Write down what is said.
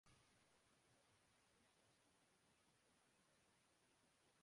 وہ اقتدار کی سیاست سے لاتعلق ہے۔